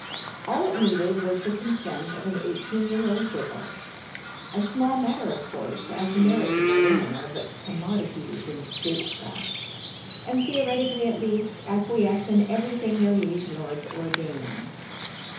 All it needed was the consent of an eighteen year old girl a small matter, of course, as marriageable women are but commodities in statecraft, and theoretically, at least, acquiesce in everything their liege lords ordain.